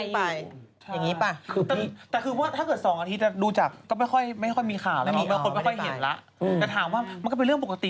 แต่ถามว่ามันก็เป็นเรื่องปกติ